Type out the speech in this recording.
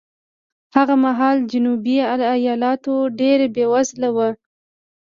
هغه مهال جنوبي ایالتونه ډېر بېوزله وو.